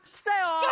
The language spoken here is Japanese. きた！